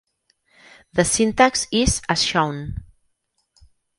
The syntax is as shown.